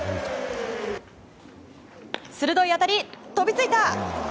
鋭い当たり、飛びついた！